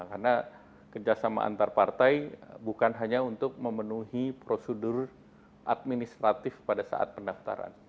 karena kerjasama antar partai bukan hanya untuk memenuhi prosedur administratif pada saat pendaftaran